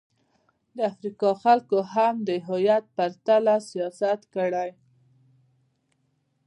د افریقا خلکو هم د هویت پر تله د سیاست کړې.